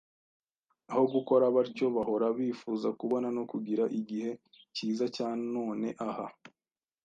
Aho gukora batyo, bahora bifuza kubona no kugira “Igihe cyiza cya none aha.”